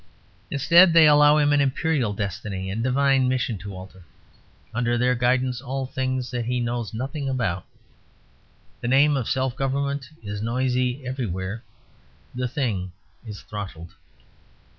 Instead, they allow him an Imperial destiny and divine mission to alter, under their guidance, all the things that he knows nothing about. The name of self government is noisy everywhere: the Thing is throttled.